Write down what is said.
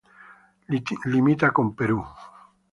Limita con Perú.